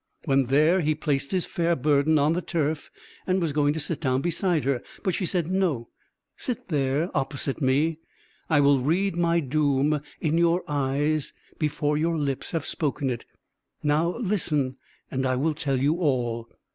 When there, he placed his fair burden on the turf, and was going to sit down beside her; but she said, "No, sit there, opposite me I will read my doom in your eyes, before your lips have spoken it. Now listen, and I will tell you all."